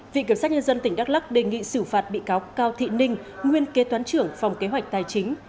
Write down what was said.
viện kiểm sát nhân dân tỉnh đắk lắc đề nghị xử phạt bị cáo cao thị ninh nguyên kế toán trưởng phòng kế hoạch tài chính